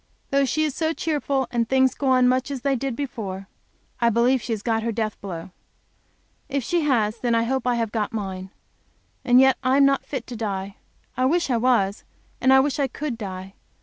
Though she is so cheerful, and things go on much as they did before, I believe she has got her death blow. If she has, then I hope I have got mine. And yet I am not fit to die. I wish I was, and I wish I could die.